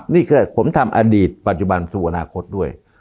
นี่คือผมทำอดีตปัจจุบันสู่อนาคตด้วย